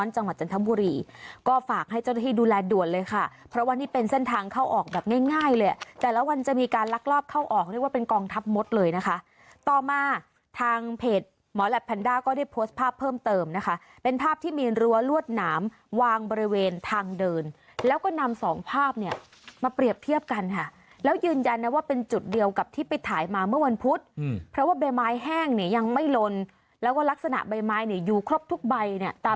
จะมีการลักลอบเข้าออกเรียกว่าเป็นกองทับมดเลยนะคะต่อมาทางเพจหมอลับแพนด้าก็ได้โพสต์ภาพเพิ่มเติมนะคะเป็นภาพที่มีรั้วลวดหนามวางบริเวณทางเดินแล้วก็นำสองภาพเนี่ยมาเปรียบเทียบกันค่ะแล้วยืนยันนะว่าเป็นจุดเดียวกับที่ไปถ่ายมาเมื่อวันพุธเพราะว่าใบไม้แห้งเนี่ยยังไม่ลนแล้วก็ลักษณะใบ